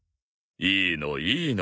いいのいいの。